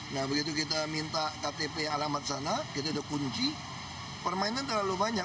nah begitu kita minta ktp alamat sana kita udah kunci permainan terlalu banyak